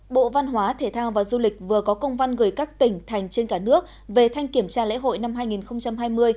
bộ văn hóa thể thao và du lịch vừa có công văn gửi các tỉnh thành trên cả nước về thanh kiểm tra lễ hội năm hai nghìn hai mươi